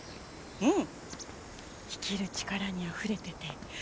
うん。